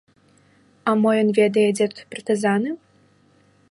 А мо ён ведае, дзе тут партызаны?